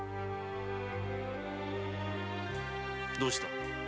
どうした？